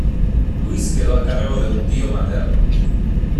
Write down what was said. Luis quedó al cargo de un tío materno.